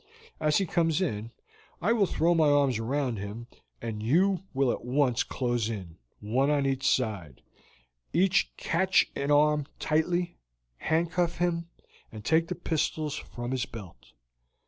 As he comes in I will throw my arms round him and you will at once close in, one on each side, each catch an arm tightly, handcuff him, and take the pistols from his belt.